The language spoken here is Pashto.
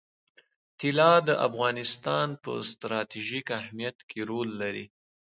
طلا د افغانستان په ستراتیژیک اهمیت کې رول لري.